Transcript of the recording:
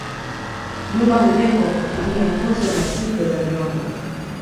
Nyumba hujengwa kwa kutumia nguzo na fito za miombo